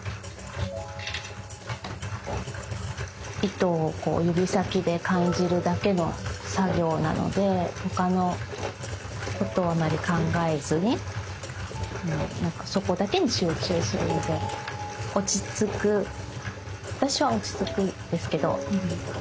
糸をこう指先で感じるだけの作業なので他のことはあまり考えずにそこだけに集中するので落ち着く私は落ち着くんですけど。